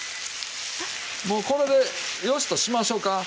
もうこれでよしとしましょうか。